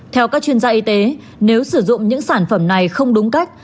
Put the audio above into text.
theo các chuyên gia y tế nếu sử dụng những sản phẩm này không đúng cách